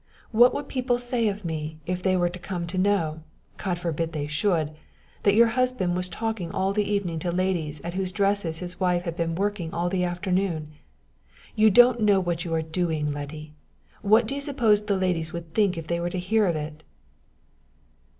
What would people say of me, if they were to come to know God forbid they should! that your husband was talking all the evening to ladies at whose dresses his wife had been working all the afternoon! You don't know what you are doing, Letty. What do you suppose the ladies would think if they were to hear of it?"